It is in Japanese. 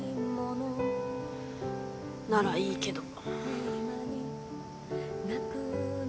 ならいいけど。